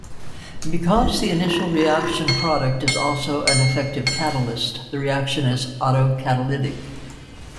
Because the initial reaction product is also an effective catalyst the reaction is autocatalytic.